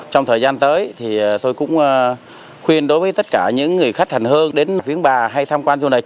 trong thời gian tới thì tôi cũng khuyên đối với tất cả những người khách hành hương đến viếng bà hay tham quan du lịch